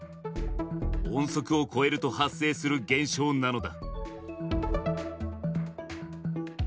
音速を超えると発生する現象なのだ。